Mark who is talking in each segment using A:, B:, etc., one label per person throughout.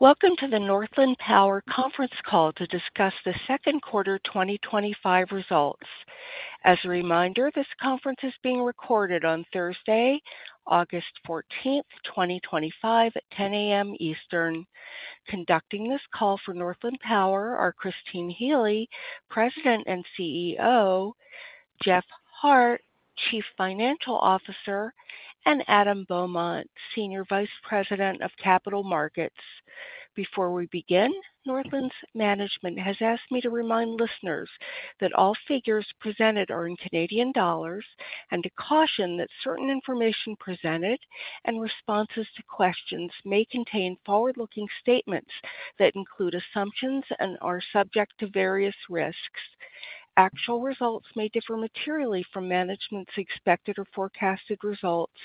A: Welcome to the Northland Power conference call to discuss the second quarter 2025 results. As a reminder, this conference is being recorded on Thursday, August 14, 2025, at 10:00 A.M. Eastern. Conducting this call for Northland Power are Christine Healy, President and CEO, Jeff Hart, Chief Financial Officer, and Adam Beaumont, Senior Vice President of Capital Markets. Before we begin, Northland's management has asked me to remind listeners that all figures presented are in Canadian dollars and to caution that certain information presented and responses to questions may contain forward-looking statements that include assumptions and are subject to various risks. Actual results may differ materially from management's expected or forecasted results.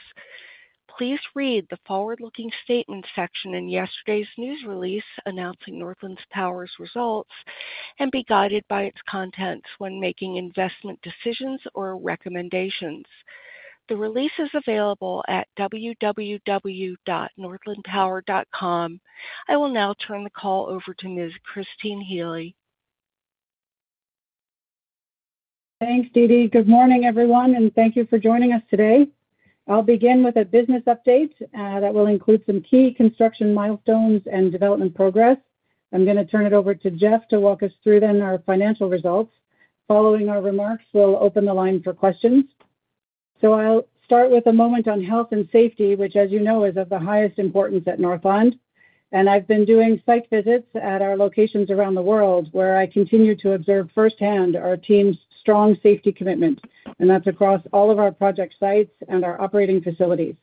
A: Please read the forward-looking statements section in yesterday's news release announcing Northland Power's results and be guided by its contents when making investment decisions or recommendations. The release is available at www.northlandpower.com. I will now turn the call over to Ms. Christine Healy.
B: Thanks, Deedi. Good morning, everyone, and thank you for joining us today. I'll begin with a business update that will include some key construction milestones and development progress. I'm going to turn it over to Jeff to walk us through then our financial results. Following our remarks, we'll open the line for questions. I'll start with a moment on health and safety, which, as you know, is of the highest importance at Northland. I've been doing site visits at our locations around the world where I continue to observe firsthand our team's strong safety commitment, and that's across all of our project sites and our operating facilities.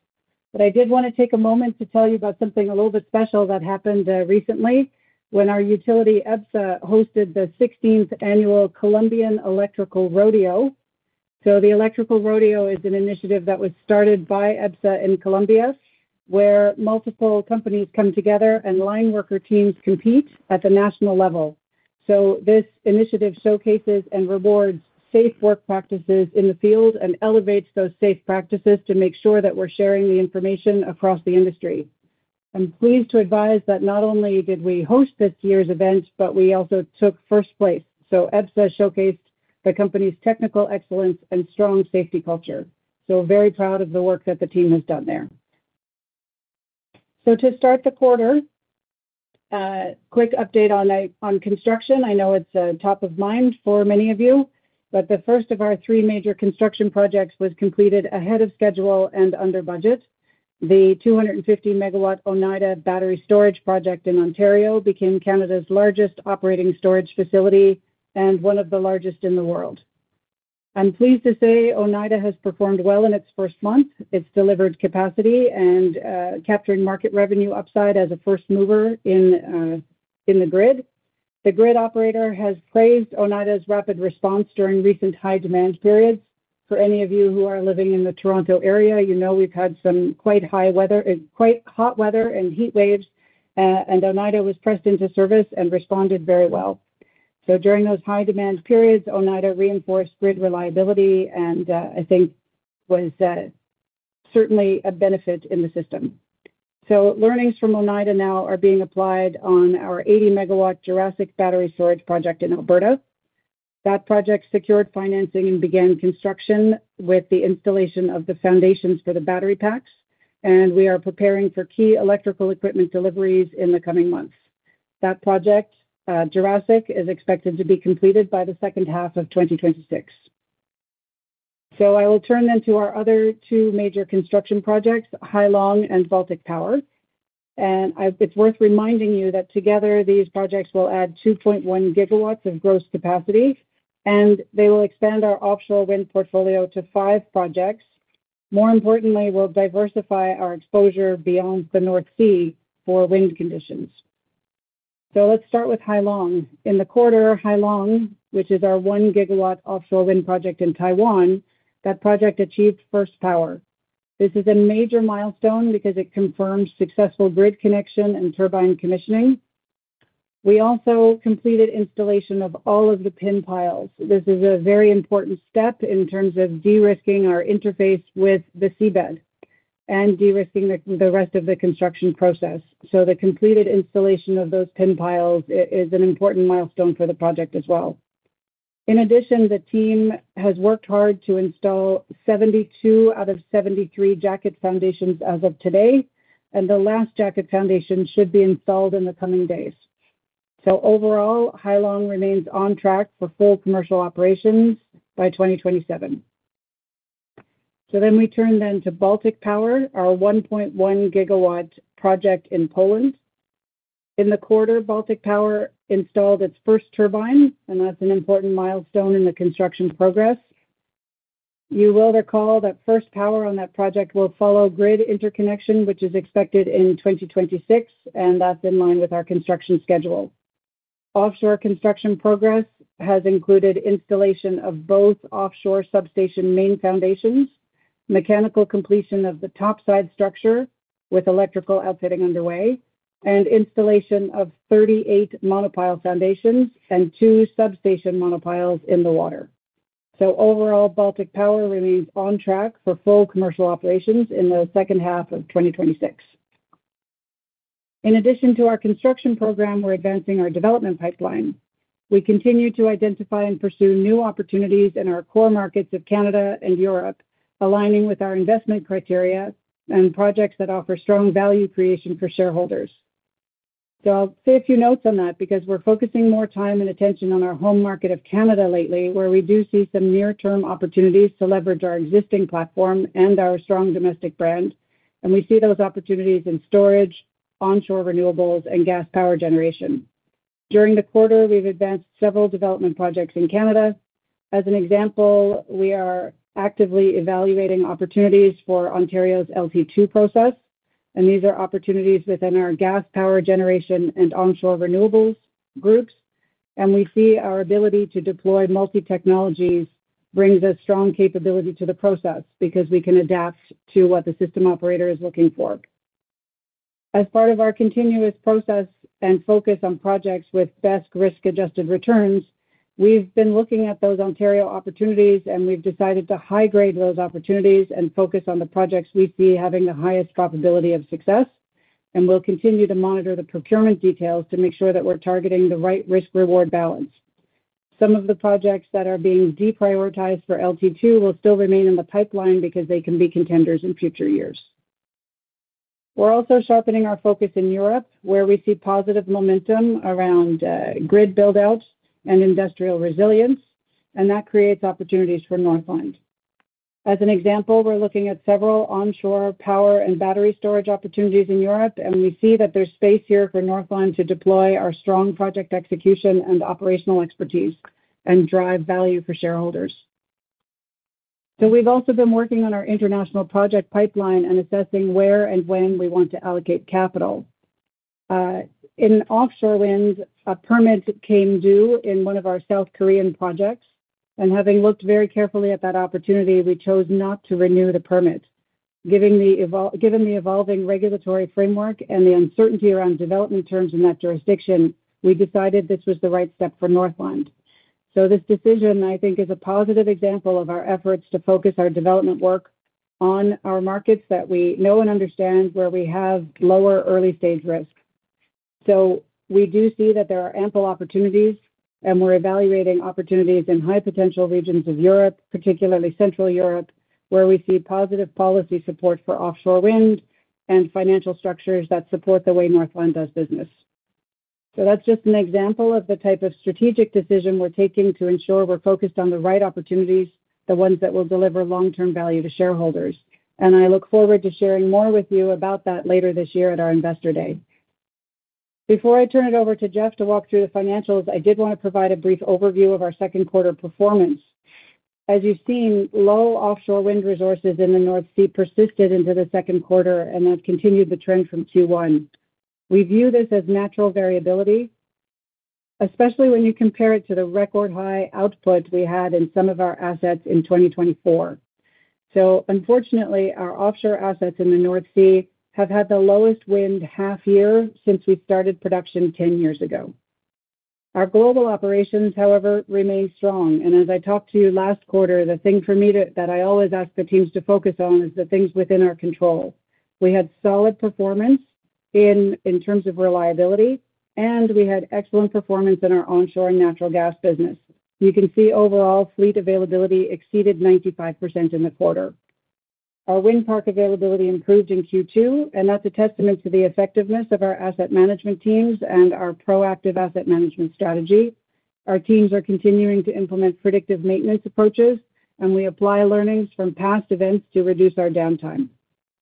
B: I did want to take a moment to tell you about something a little bit special that happened recently when our utility, EBSA, hosted the 16th annual Colombian Electrical Rodeo. The Electrical Rodeo is an initiative that was started by EBSA in Colombia, where multiple companies come together and line worker teams compete at the national level. This initiative showcases and rewards safe work practices in the field and elevates those safe practices to make sure that we're sharing the information across the industry. I'm pleased to advise that not only did we host this year's event, but we also took first place. EBSA showcased the company's technical excellence and strong safety culture. We're very proud of the work that the team has done there. To start the quarter, a quick update on construction. I know it's top of mind for many of you, but the first of our three major construction projects was completed ahead of schedule and under budget. The 250 MW Oneida battery storage project in Ontario became Canada's largest operating storage facility and one of the largest in the world. I'm pleased to say Oneida has performed well in its first month. It's delivered capacity and captured market revenue upside as a first mover in the grid. The grid operator has praised Oneida's rapid response during recent high demand periods. For any of you who are living in the Toronto area, you know we've had some quite hot weather and heat waves, and Oneida was pressed into service and responded very well. During those high demand periods, Oneida reinforced grid reliability, and I think was certainly a benefit in the system. Learnings from Oneida now are being applied on our 80 MW Jurassic battery storage project in Alberta. That project secured financing and began construction with the installation of the foundations for the battery packs, and we are preparing for key electrical equipment deliveries in the coming months. That project, Oneida, is expected to be completed by the second half of 2026. I will turn then to our other two major construction projects, Hai Long and Baltic Power. It is worth reminding you that together these projects will add 2.1 GW of gross capacity, and they will expand our offshore wind portfolio to five projects. More importantly, we will diversify our exposure beyond the North Sea for wind conditions. Let's start with Hai Long. In the quarter, Hai Long, which is our one GW offshore wind project in Taiwan, achieved first power. This is a major milestone because it confirms successful grid connection and turbine commissioning. We also completed installation of all of the pin piles. This is a very important step in terms of de-risking our interface with the seabed and de-risking the rest of the construction process. The completed installation of those pin piles is an important milestone for the project as well. In addition, the team has worked hard to install 72 out of 73 jacket foundations as of today, and the last jacket foundation should be installed in the coming days. Overall, Hai Long remains on track for full commercial operation by 2027. We turn then to Baltic Power, our 1.1 GW project in Poland. In the quarter, Baltic Power installed its first turbine, and that's an important milestone in the construction progress. You will recall that first power on that project will follow grid interconnection, which is expected in 2026, and that's in line with our construction schedule. Offshore construction progress has included installation of both offshore substation main foundations, mechanical completion of the topside structure with electrical outfitting underway, and installation of 38 monopile foundations and two substation monopiles in the water. Overall, Baltic Power remains on track for full commercial operations in the second half of 2026. In addition to our construction program, we are advancing our development pipeline. We continue to identify and pursue new opportunities in our core markets of Canada and Europe, aligning with our investment criteria and projects that offer strong value creation for shareholders. I'll say a few notes on that because we're focusing more time and attention on our home market of Canada lately, where we do see some near-term opportunities to leverage our existing platform and our strong domestic brand. We see those opportunities in storage, onshore renewables, and gas power generation. During the quarter, we've advanced several development projects in Canada. As an example, we are actively evaluating opportunities for Ontario's LT2 process, and these are opportunities within our gas power generation and onshore renewables groups. We see our ability to deploy multi-technology brings a strong capability to the process because we can adapt to what the system operator is looking for. As part of our continuous process and focus on projects with best risk-adjusted returns, we've been looking at those Ontario opportunities, and we've decided to high-grade those opportunities and focus on the projects we see having the highest probability of success. We'll continue to monitor the procurement details to make sure that we're targeting the right risk-reward balance. Some of the projects that are being deprioritized for LT2 will still remain in the pipeline because they can be contenders in future years. We're also sharpening our focus in Europe, where we see positive momentum around grid build-outs and industrial resilience, and that creates opportunities for Northland. As an example, we're looking at several onshore power and battery storage opportunities in Europe, and we see that there's space here for Northland to deploy our strong project execution and operational expertise and drive value for shareholders. We've also been working on our international project pipeline and assessing where and when we want to allocate capital. In offshore wind, a permit came due in one of our South Korean projects, and having looked very carefully at that opportunity, we chose not to renew the permit. Given the evolving regulatory framework and the uncertainty around development terms in that jurisdiction, we decided this was the right step for Northland. This decision, I think, is a positive example of our efforts to focus our development work on our markets that we know and understand where we have lower early-stage risk. We do see that there are ample opportunities, and we're evaluating opportunities in high-potential regions of Europe, particularly Central Europe, where we see positive policy support for offshore wind and financial structures that support the way Northland Power does business. That's just an example of the type of strategic decision we're taking to ensure we're focused on the right opportunities, the ones that will deliver long-term value to shareholders. I look forward to sharing more with you about that later this year at our Investor Day. Before I turn it over to Jeff to walk through the financials, I did want to provide a brief overview of our second quarter performance. As you've seen, low offshore wind resources in the North Sea persisted into the second quarter and have continued the trend from Q1. We view this as natural variability, especially when you compare it to the record high output we had in some of our assets in 2024. Unfortunately, our offshore assets in the North Sea have had the lowest wind half year since we started production 10 years ago. Our global operations, however, remain strong. As I talked to you last quarter, the thing for me that I always ask the teams to focus on is the things within our control. We had solid performance in terms of reliability, and we had excellent performance in our onshore and natural gas business. You can see overall fleet availability exceeded 95% in the quarter. Our wind park availability improved in Q2, and that's a testament to the effectiveness of our asset management teams and our proactive asset management strategy. Our teams are continuing to implement predictive maintenance approaches, and we apply learnings from past events to reduce our downtime.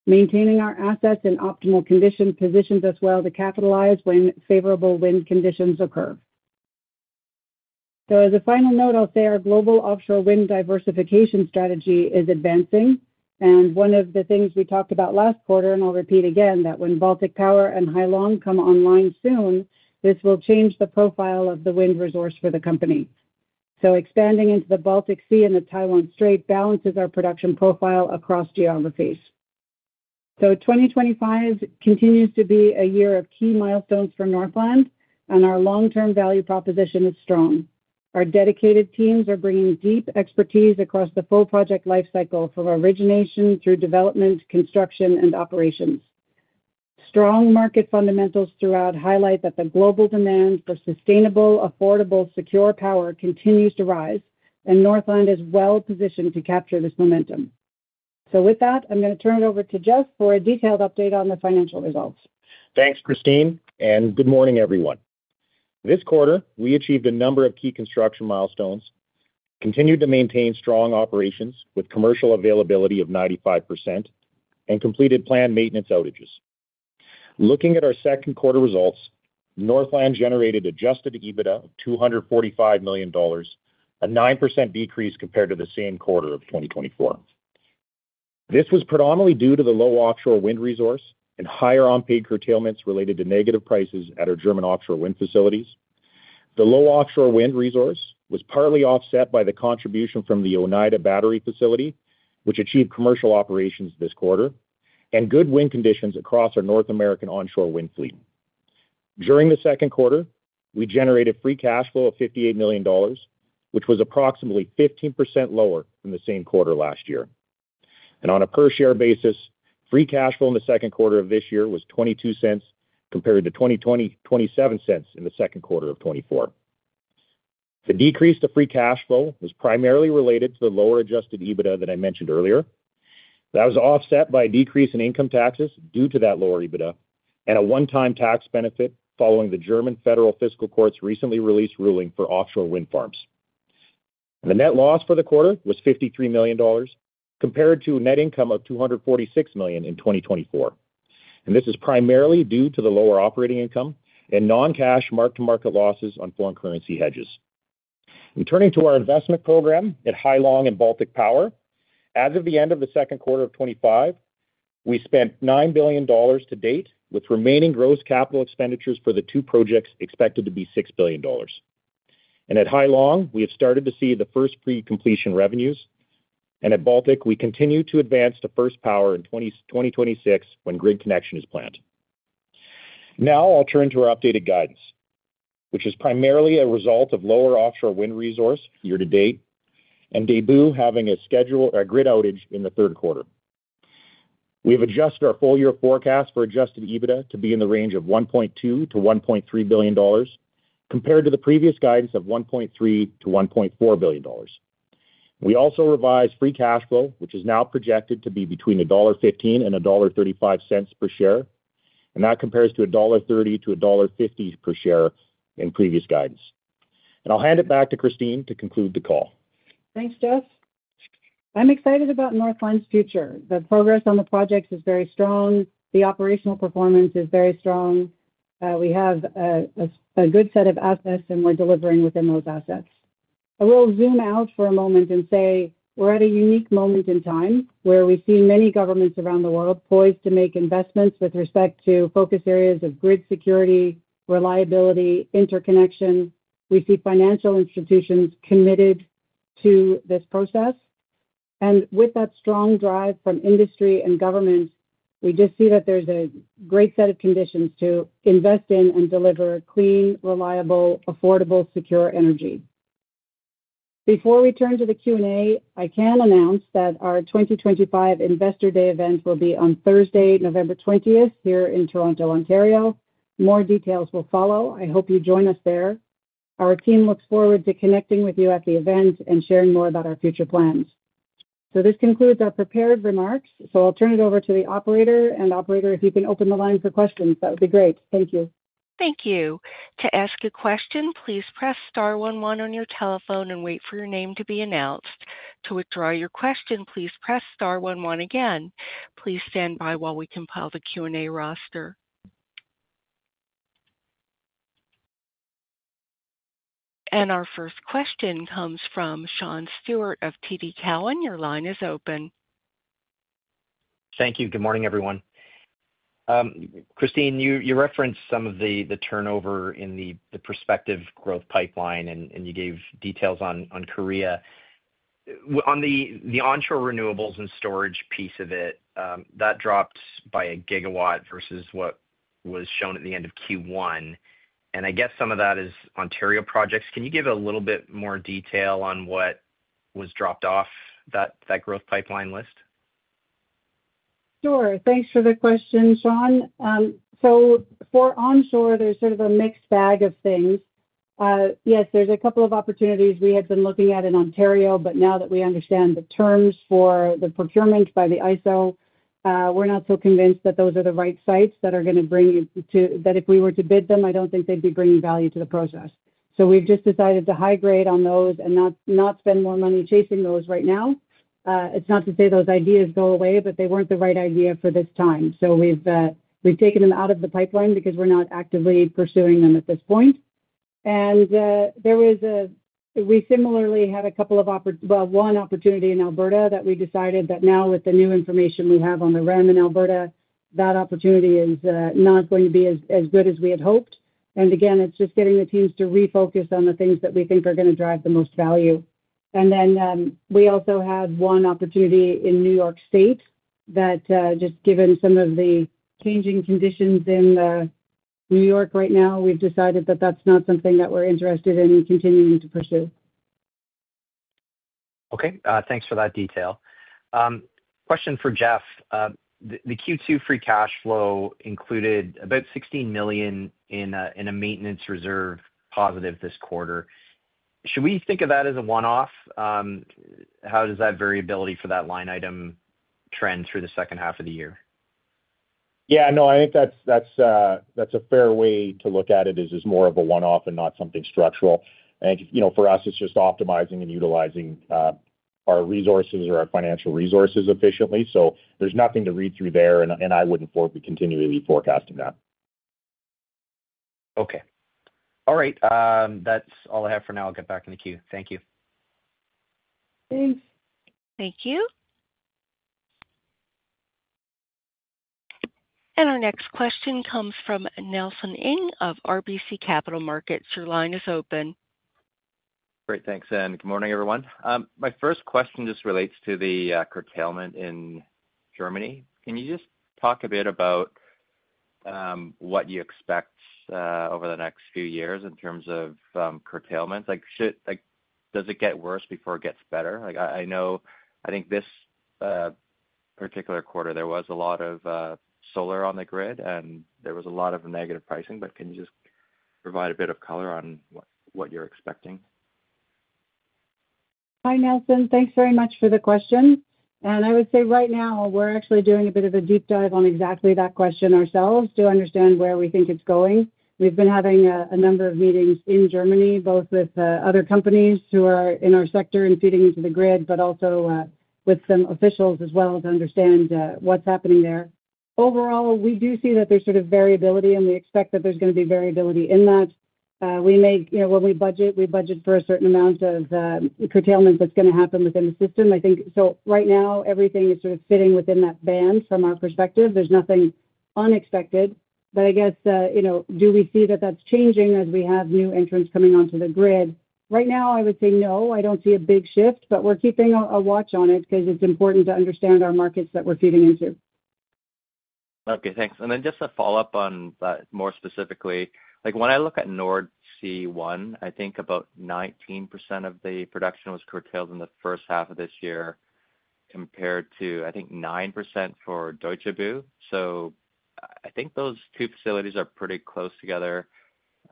B: Maintaining our assets in optimal conditions positions us well to capitalize when favorable wind conditions occur. As a final note, I'll say our global offshore wind diversification strategy is advancing. One of the things we talked about last quarter, and I'll repeat again, is that when Baltic Power and Hai Long come online soon, this will change the profile of the wind resource for the company. Expanding into the Baltic Sea and the Taiwan Strait balances our production profile across geographies. The year 2025 continues to be a year of key milestones for Northland Power, and our long-term value proposition is strong. Our dedicated teams are bringing deep expertise across the full project lifecycle from origination through development, construction, and operation. Strong market fundamentals throughout highlight that the global demand for sustainable, affordable, secure power continues to rise, and Northland is well positioned to capture this momentum. With that, I'm going to turn it over to Jeff for a detailed update on the financial results.
C: Thanks, Christine, and good morning, everyone. This quarter, we achieved a number of key construction milestones, continued to maintain strong operations with commercial availability of 95%, and completed planned maintenance outages. Looking at our second quarter results, Northland generated adjusted EBITDA of 245 million dollars, a 9% decrease compared to the same quarter of 2024. This was predominantly due to the low offshore wind resource and higher unpaid curtailments related to negative prices at our German offshore wind facilities. The low offshore wind resource was partly offset by the contribution from the Oneida battery facility, which achieved commercial operations this quarter, and good wind conditions across our North American onshore wind fleet. During the second quarter, we generated free cash flow of 58 million dollars, which was approximately 15% lower than the same quarter last year. On a per-share basis, free cash flow in the second quarter of this year was 0.22 compared to 0.27 in the second quarter of 2024. The decrease to free cash flow was primarily related to the lower adjusted EBITDA that I mentioned earlier. That was offset by a decrease in income taxes due to that lower EBITDA and a one-time tax benefit following the German Federal Fiscal Court's recently released ruling for offshore wind farms. The net loss for the quarter was 53 million dollars compared to a net income of 246 million in 2024. This is primarily due to the lower operating income and non-cash mark-to-market losses on foreign currency hedges. Turning to our investment program at Hai Long and Baltic Power, as of the end of the second quarter of 2025, we spent 9 billion dollars to date, with remaining gross capital expenditures for the two projects expected to be 6 billion dollars. At Hai Long, we have started to see the first pre-completion revenues, and at Baltic Power, we continue to advance to first power in 2026 when grid connection is planned. Now, I'll turn to our updated guidance, which is primarily a result of lower offshore wind resource year to date and DeBu having a scheduled grid outage in the third quarter. We have adjusted our full-year forecast for adjusted EBITDA to be in the range of 1.2-1.3 billion dollars compared to the previous guidance of 1.3-1.4 billion dollars. We also revised free cash flow, which is now projected to be between dollar 1.15 and dollar 1.35 per share, and that compares to 1.30-1.50 dollar per share in previous guidance. I'll hand it back to Christine to conclude the call.
B: Thanks, Jeff. I'm excited about Northland Power's future. The progress on the project is very strong. The operational performance is very strong. We have a good set of assets, and we're delivering within those assets. I will zoom out for a moment and say we're at a unique moment in time where we see many governments around the world poised to make investments with respect to focus areas of grid security, reliability, and interconnection. We see financial institutions committed to this process. With that strong drive from industry and government, we just see that there's a great set of conditions to invest in and deliver clean, reliable, affordable, secure energy. Before we turn to the Q&A, I can announce that our 2025 Investor Day event will be on Thursday, November 20, here in Toronto, Ontario. More details will follow. I hope you join us there. Our team looks forward to connecting with you at the event and sharing more about our future plans. This concludes our prepared remarks. I'll turn it over to the operator. Operator, if you can open the line for questions, that would be great. Thank you.
A: Thank you. To ask a question, please press * 1 1 on your telephone and wait for your name to be announced. To withdraw your question, please press * 1 1 again. Please stand by while we compile the Q&A roster. Our first question comes from Sean Steuart of TD Cowen. Your line is open.
D: Thank you. Good morning, everyone. Christine, you referenced some of the turnover in the prospective growth pipeline, and you gave details on Korea. On the onshore renewables and storage piece of it, that drops by a GW versus what was shown at the end of Q1. I guess some of that is Ontario projects. Can you give a little bit more detail on what was dropped off that growth pipeline list?
B: Sure. Thanks for the question, Sean. For onshore, there's sort of a mixed bag of things. Yes, there's a couple of opportunities we had been looking at in Ontario, but now that we understand the terms for the procurement by the IESO, we're not so convinced that those are the right sites that are going to bring you to that. If we were to bid them, I don't think they'd be bringing value to the process. We've just decided to high grade on those and not spend more money chasing those right now. It's not to say those ideas go away, but they weren't the right idea for this time. We've taken them out of the pipeline because we're not actively pursuing them at this point. We similarly had a couple of opportunities, well, one opportunity in Alberta that we decided that now with the new information we have on the REM in Alberta, that opportunity is not going to be as good as we had hoped. It's just getting the teams to refocus on the things that we think are going to drive the most value. We also had one opportunity in New York State that just given some of the changing conditions in New York right now, we've decided that that's not something that we're interested in continuing to pursue.
D: Okay. Thanks for that detail. Question for Jeff. The Q2 free cash flow included about 16 million in a maintenance reserve positive this quarter. Should we think of that as a one-off? How does that variability for that line item trend through the second half of the year?
C: Yeah, I think that's a fair way to look at it, it's more of a one-off and not something structural. For us, it's just optimizing and utilizing our resources or our financial resources efficiently. There's nothing to read through there, and I wouldn't forward be continually forecasting that.
D: Okay. All right. That's all I have for now. I'll get back in the queue. Thank you.
C: Thanks.
A: Thank you. Our next question comes from Nelson Ng of RBC Capital Markets. Your line is open.
E: Great. Thanks, Anne. Good morning, everyone. My first question just relates to the curtailment in Germany. Can you just talk a bit about what you expect over the next few years in terms of curtailments? Does it get worse before it gets better? I know, I think this particular quarter, there was a lot of solar on the grid, and there was a lot of negative pricing, but can you just provide a bit of color on what you're expecting?
B: Hi, Nelson. Thanks very much for the question. I would say right now, we're actually doing a bit of a deep dive on exactly that question ourselves to understand where we think it's going. We've been having a number of meetings in Germany, both with other companies who are in our sector and feeding into the grid, but also with some officials as well to understand what's happening there. Overall, we do see that there's sort of variability, and we expect that there's going to be variability in that. When we budget, we budget for a certain amount of curtailment that's going to happen within the system. I think right now, everything is sort of fitting within that band from our perspective. There's nothing unexpected. I guess, do we see that that's changing as we have new entrants coming onto the grid? Right now, I would say no, I don't see a big shift, but we're keeping a watch on it because it's important to understand our markets that we're feeding into.
E: Okay, thanks. Just to follow up on that more specifically, when I look at Nordsee One, I think about 19% of the production was curtailed in the first half of this year compared to, I think, 9% for Deutsche Bucht. I think those two facilities are pretty close together.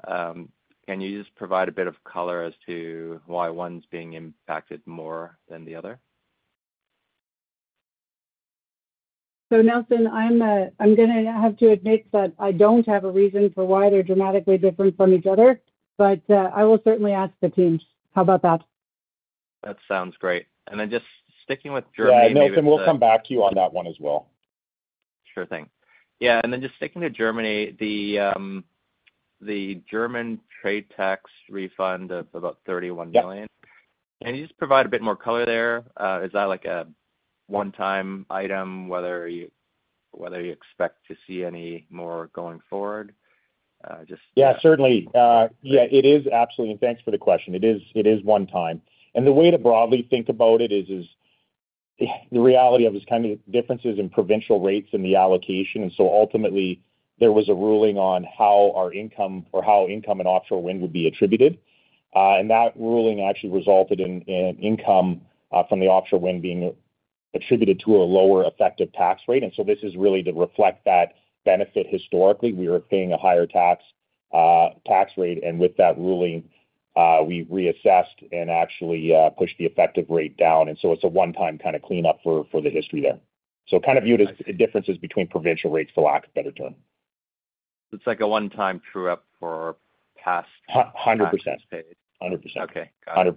E: Can you just provide a bit of color as to why one's being impacted more than the other?
B: Nelson, I'm going to have to admit that I don't have a reason for why they're dramatically different from each other, but I will certainly ask the team. How about that?
E: That sounds great. Just sticking with Germany.
C: Nelson, we'll come back to you on that one as well.
E: Sure thing. Yeah, just sticking to Germany, the German trade tax refund of about 31 million, can you just provide a bit more color there? Is that like a one-time item, whether you expect to see any more going forward?
C: Yeah, certainly. It is absolutely, and thanks for the question. It is one time. The way to broadly think about it is the reality of just kind of differences in provincial rates and the allocation. Ultimately, there was a ruling on how our income or how income in offshore wind would be attributed. That ruling actually resulted in income from the offshore wind being attributed to a lower effective tax rate. This is really to reflect that benefit. Historically, we were paying a higher tax rate, and with that ruling, we reassessed and actually pushed the effective rate down. It is a one-time kind of cleanup for the history there, viewed as differences between provincial rates, for lack of a better term.
E: It's like a one-time true-up for past tax pays.
C: 100%. 100%.
E: Okay, got it.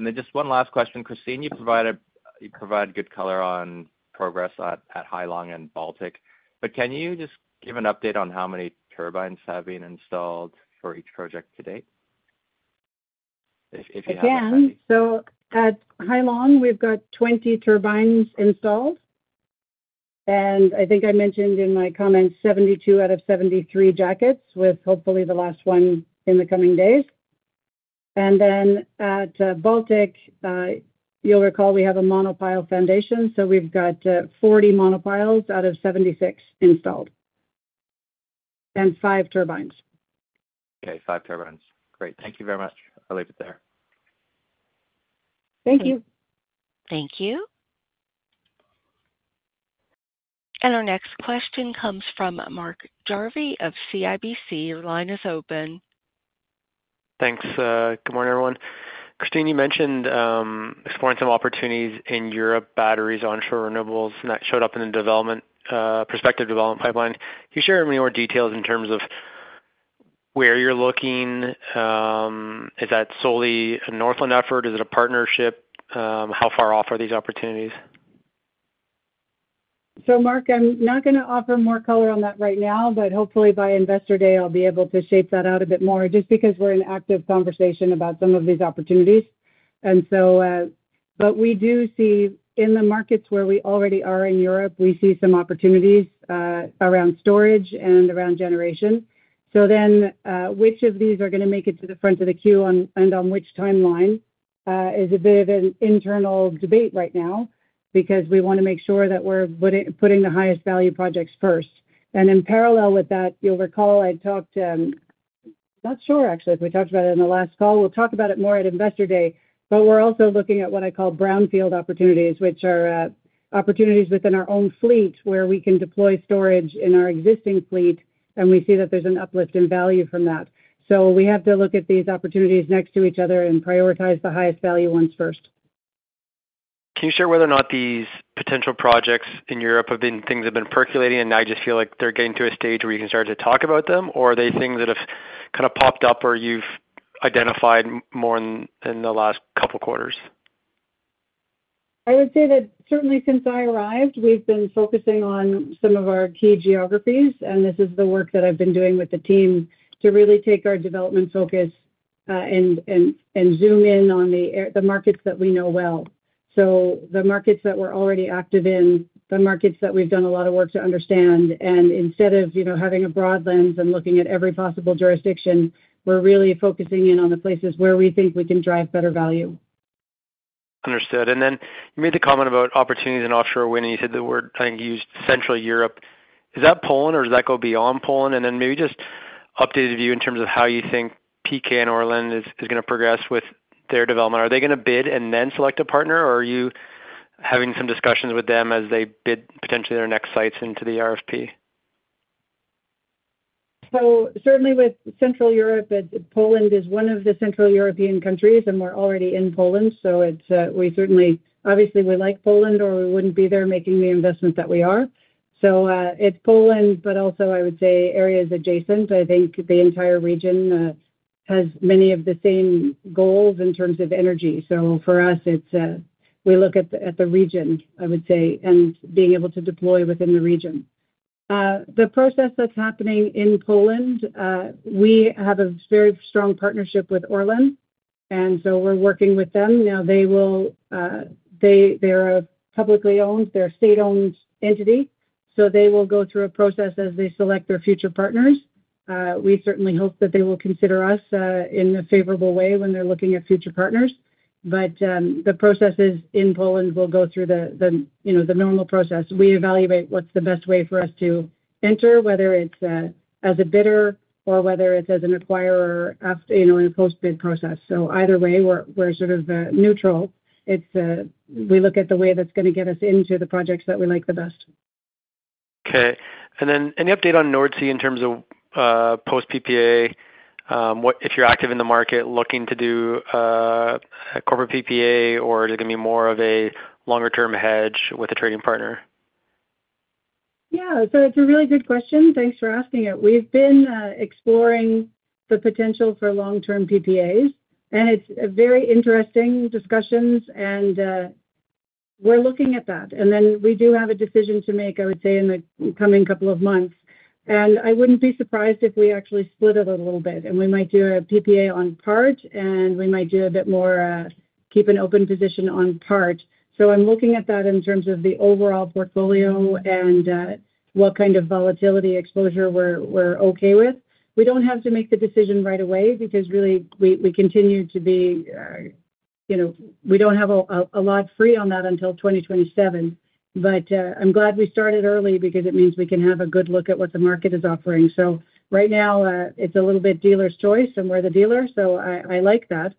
C: 100%.
E: Just one last question, Christine. You provide good color on progress at Hai Long and Baltic Power. Can you just give an update on how many turbines have been installed for each project to date?
B: Again, at Hai Long, we've got 20 turbines installed. I think I mentioned in my comments 72 out of 73 jackets, with hopefully the last one in the coming days. At Baltic, you'll recall we have a monopile foundation. We've got 40 monopiles out of 76 installed and five turbines.
E: Okay, five turbines. Great, thank you very much. I'll leave it there.
B: Thank you.
A: Thank you. Our next question comes from Mark Jarvi of CIBC. Your line is open.
F: Thanks. Good morning, everyone. Christine, you mentioned exploring some opportunities in Europe, batteries, onshore renewables, and that showed up in the development, prospective development pipeline. Can you share any more details in terms of where you're looking? Is that solely a Northland effort? Is it a partnership? How far off are these opportunities?
B: Mark, I'm not going to offer more color on that right now, but hopefully by Investor Day, I'll be able to shape that out a bit more just because we're in active conversation about some of these opportunities. We do see in the markets where we already are in Europe, we see some opportunities around storage and around generation. Which of these are going to make it to the front of the queue and on which timeline is a bit of an internal debate right now because we want to make sure that we're putting the highest value projects first. In parallel with that, you'll recall I talked, not sure actually if we talked about it in the last call. We'll talk about it more at Investor Day, but we're also looking at what I call brownfield opportunities, which are opportunities within our own fleet where we can deploy storage in our existing fleet, and we see that there's an uplift in value from that. We have to look at these opportunities next to each other and prioritize the highest value ones first.
F: Can you share whether or not these potential projects in Europe have been things that have been percolating and now you just feel like they're getting to a stage where you can start to talk about them, or are they things that have kind of popped up or you've identified more in the last couple of quarters?
B: I would say that certainly since I arrived, we've been focusing on some of our key geographies, and this is the work that I've been doing with the team to really take our development focus and zoom in on the markets that we know well. The markets that we're already active in, the markets that we've done a lot of work to understand, and instead of, you know, having a broad lens and looking at every possible jurisdiction, we're really focusing in on the places where we think we can drive better value.
F: Understood. You made the comment about opportunities in offshore wind, and you said that we're, I think, used Central Europe. Is that Poland, or does that go beyond Poland? Maybe just update a view in terms of how you think PKN Orlen is going to progress with their development. Are they going to bid and then select a partner, or are you having some discussions with them as they bid potentially their next sites into the RFP?
B: Certainly with Central Europe, Poland is one of the Central European countries, and we're already in Poland. We certainly, obviously, like Poland, or we wouldn't be there making the investment that we are. It's Poland, but also I would say areas adjacent. I think the entire region has many of the same goals in terms of energy. For us, we look at the region, I would say, and being able to deploy within the region. The process that's happening in Poland, we have a very strong partnership with Orlen, and we're working with them. They are a publicly owned, they're a state-owned entity, so they will go through a process as they select their future partners. We certainly hope that they will consider us in a favorable way when they're looking at future partners. The processes in Poland will go through the normal process. We evaluate what's the best way for us to enter, whether it's as a bidder or whether it's as an acquirer in a post-bid process. Either way, we're sort of neutral. We look at the way that's going to get us into the projects that we like the best.
F: Okay. Any update on Nordsee in terms of post-PPA? Are you active in the market looking to do a corporate PPA, or is it going to be more of a longer-term hedge with a trading partner?
B: Yeah, it's a really good question. Thanks for asking it. We've been exploring the potential for long-term PPAs, and it's very interesting discussions, and we're looking at that. We do have a decision to make, I would say, in the coming couple of months. I wouldn't be surprised if we actually split it a little bit, and we might do a PPA on part, and we might do a bit more, keep an open position on part. I'm looking at that in terms of the overall portfolio and what kind of volatility exposure we're okay with. We don't have to make the decision right away because we don't have a lot free on that until 2027. I'm glad we started early because it means we can have a good look at what the market is offering. Right now, it's a little bit dealer's choice and we're the dealer, so I like that.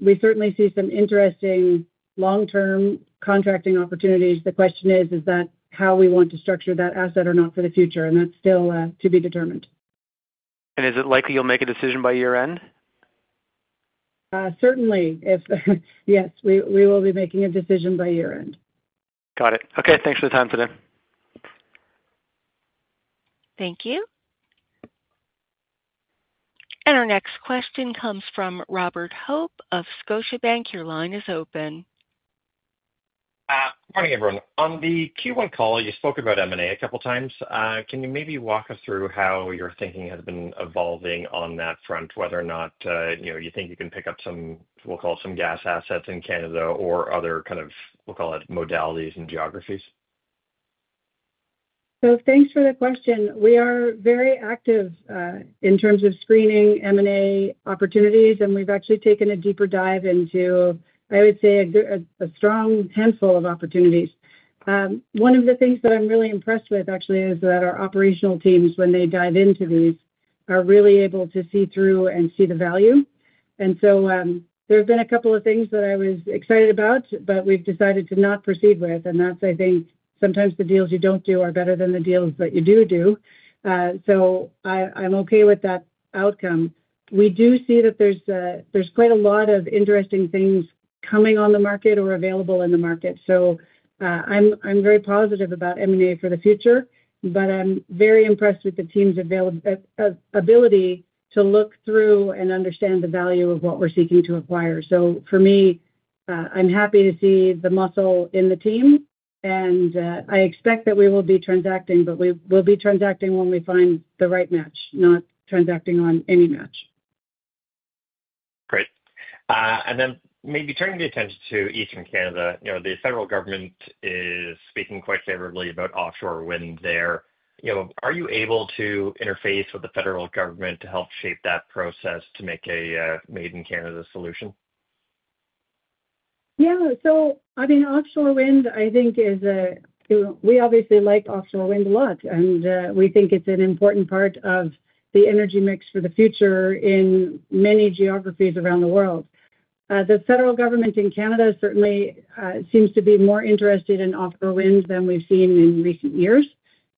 B: We certainly see some interesting long-term contracting opportunities. The question is, is that how we want to structure that asset or not for the future? That's still to be determined.
F: Is it likely you'll make a decision by year-end?
B: Certainly. If yes, we will be making a decision by year-end.
F: Got it. Okay, thanks for the time today.
A: Thank you. Our next question comes from Robert Hope of Scotiabank. Your line is open.
G: Morning, everyone. On the Q1 call, you spoke about M&A a couple of times. Can you maybe walk us through how your thinking has been evolving on that front, whether or not you think you can pick up some, we'll call it, some gas assets in Canada or other, we'll call it, modalities and geographies?
B: Thank you for the question. We are very active in terms of screening M&A opportunities, and we've actually taken a deeper dive into, I would say, a strong handful of opportunities. One of the things that I'm really impressed with, actually, is that our operational teams, when they dive into these, are really able to see through and see the value. There have been a couple of things that I was excited about, but we've decided to not proceed with. I think sometimes the deals you don't do are better than the deals that you do, do. I'm okay with that outcome. We do see that there's quite a lot of interesting things coming on the market or available in the market. I'm very positive about M&A for the future, but I'm very impressed with the team's ability to look through and understand the value of what we're seeking to acquire. For me, I'm happy to see the muscle in the team, and I expect that we will be transacting, but we will be transacting when we find the right match, not transacting on any match.
G: Great. Maybe turning the attention to Eastern Canada, the federal government is speaking quite favorably about offshore wind there. Are you able to interface with the federal government to help shape that process to make a made-in-Canada solution?
B: Yeah. Offshore wind, I think, is a we obviously like offshore wind a lot, and we think it's an important part of the energy mix for the future in many geographies around the world. The federal government in Canada certainly seems to be more interested in offshore wind than we've seen in recent years.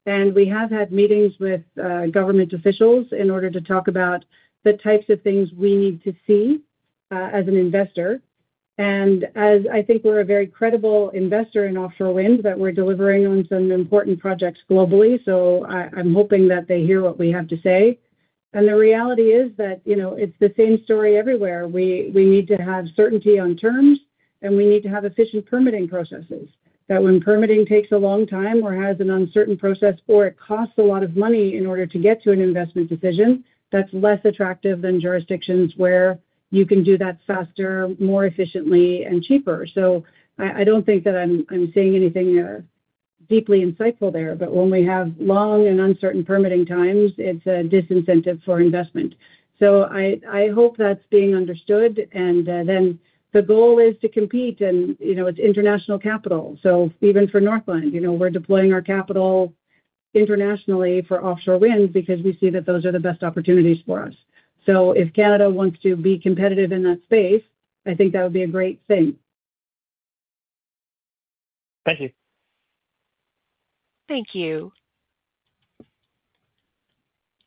B: We have had meetings with government officials in order to talk about the types of things we need to see as an investor. I think we're a very credible investor in offshore wind, that we're delivering on some important projects globally. I'm hoping that they hear what we have to say. The reality is that it's the same story everywhere. We need to have certainty on terms, and we need to have efficient permitting processes. When permitting takes a long time or has an uncertain process or it costs a lot of money in order to get to an investment decision, that's less attractive than jurisdictions where you can do that faster, more efficiently, and cheaper. I don't think that I'm saying anything deeply insightful there, but when we have long and uncertain permitting times, it's a disincentive for investment. I hope that's being understood. The goal is to compete, and you know, it's international capital. Even for Northland, you know, we're deploying our capital internationally for offshore wind because we see that those are the best opportunities for us. If Canada wants to be competitive in that space, I think that would be a great thing.
G: Thank you.
A: Thank you.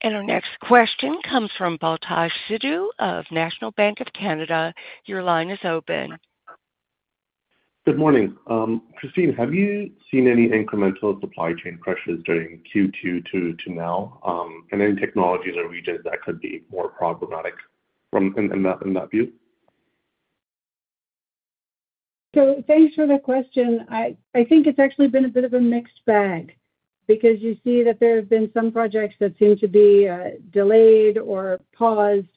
A: Our next question comes from Baltej Sidhu of National Bank of Canada. Your line is open.
H: Good morning. Christine, have you seen any incremental supply chain pressures during Q2 to now? Any technologies or regions that could be more problematic in that view?
B: Thank you for that question. I think it's actually been a bit of a mixed bag because you see that there have been some projects that seem to be delayed or paused.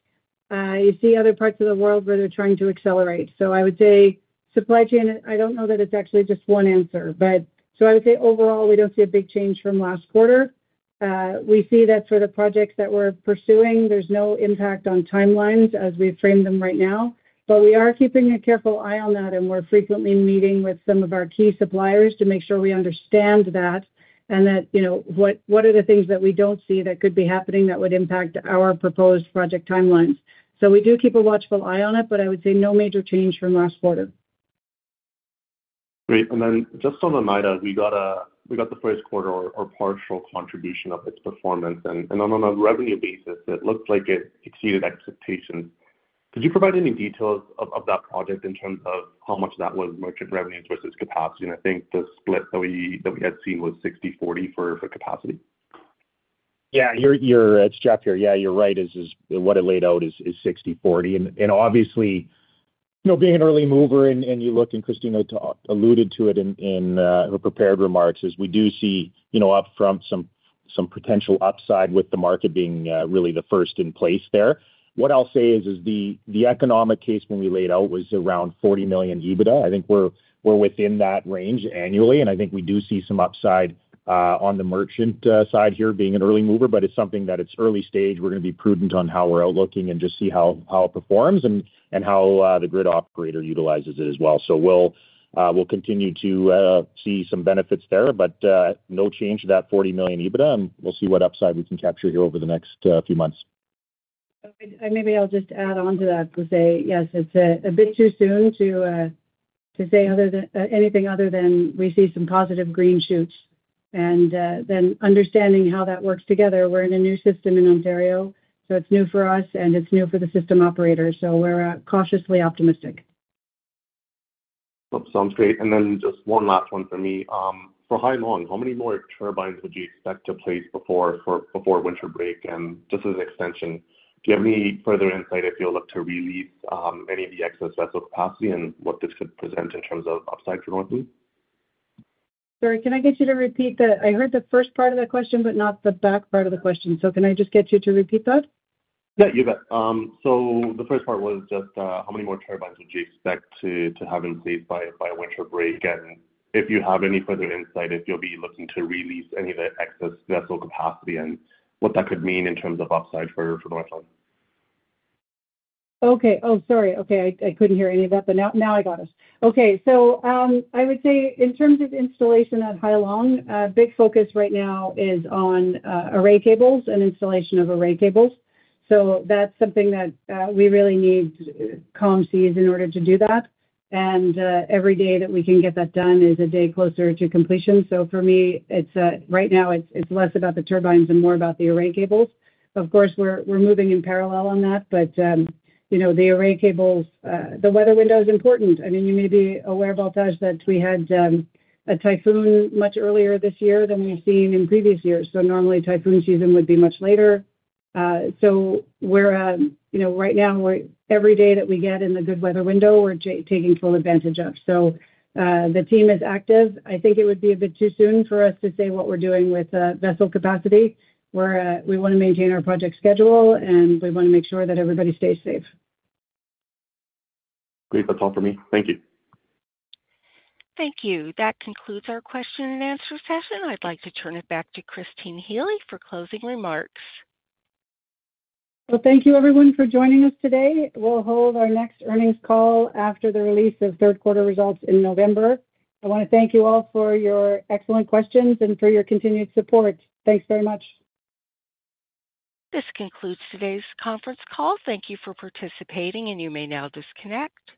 B: You see other parts of the world where they're trying to accelerate. I would say supply chain, I don't know that it's actually just one answer. I would say overall, we don't see a big change from last quarter. We see that for the projects that we're pursuing, there's no impact on timelines as we frame them right now. We are keeping a careful eye on that, and we're frequently meeting with some of our key suppliers to make sure we understand that and that, you know, what are the things that we don't see that could be happening that would impact our proposed project timelines. We do keep a watchful eye on it, but I would say no major change from last quarter.
H: Great. Just on Oneida, we got the first quarter or partial contribution of its performance. On a revenue basis, it looked like it exceeded expectations. Could you provide any details of that project in terms of how much that was merchant revenues versus capacity? I think the split that we had seen was 60/0 for capacity.
C: Yeah, it's Jeff here. You're right. What it laid out is 60/40. Obviously, being an early mover, and Christine alluded to it in her prepared remarks, we do see up front some potential upside with the market being really the first in place there. What I'll say is the economic case when we laid out was around 40 million EBITDA. I think we're within that range annually. I think we do see some upside on the merchant side here being an early mover, but it's something that is early stage. We're going to be prudent on how we're outlooking and just see how it performs and how the grid operator utilizes it as well. We will continue to see some benefits there, but no change to that 40 million EBITDA, and we'll see what upside we can capture here over the next few months.
B: Maybe I'll just add on to that and say, yes, it's a bit too soon to say anything other than we see some positive green shoots. Understanding how that works together, we're in a new system in Ontario. It's new for us, and it's new for the system operator. We're cautiously optimistic.
H: Sounds great. Just one last one for me. For Hai Long, how many more turbines would you expect to place before winter break? Just as an extension, do you have any further insight if you look to release any of the excess vessel capacity and what this could present in terms of upside for Northland?
B: Sorry, can I get you to repeat that? I heard the first part of the question, but not the back part of the question. Can I just get you to repeat that?
H: You bet. The first part was just how many more turbines would you expect to have in place by winter break, and if you have any further insight, if you'll be looking to release any of the excess vessel capacity and what that could mean in terms of upside for Northland.
B: Okay. I couldn't hear any of that, but now I got it. I would say in terms of installation at Hai Long, a big focus right now is on array cables and installation of array cables. That's something that we really need concise in order to do that. Every day that we can get that done is a day closer to completion. For me, right now, it's less about the turbines and more about the array cables. Of course, we're moving in parallel on that, but the array cables, the weather window is important. You may be aware, Baltej, that we had a typhoon much earlier this year than we've seen in previous years. Normally, typhoon season would be much later. Right now, every day that we get in the good weather window, we're taking full advantage of. The team is active. I think it would be a bit too soon for us to say what we're doing with vessel capacity. We want to maintain our project schedule, and we want to make sure that everybody stays safe.
H: Great. That's all for me. Thank you.
A: Thank you. That concludes our question-and-answer session. I'd like to turn it back to Christine Healy for closing remarks.
B: Thank you, everyone, for joining us today. We'll hold our next earnings call after the release of third quarter results in November. I want to thank you all for your excellent questions and for your continued support. Thanks very much.
A: This concludes today's conference call. Thank you for participating, and you may now disconnect.